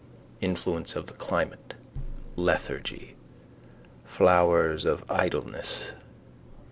Influence of the climate. Lethargy. Flowers of idleness.